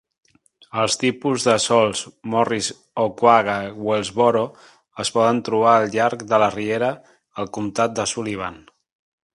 Els tipus de sòls Morris-Oquaga-Wellsboro es poden trobar al llarg de la riera al comtat de Sullivan.